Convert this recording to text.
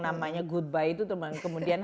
namanya goodbye itu teman kemudian